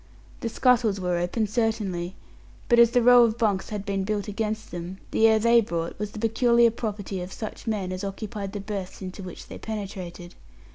The scuttles were open, certainly, but as the row of bunks had been built against them, the air they brought was the peculiar property of such men as occupied the berths into which they penetrated.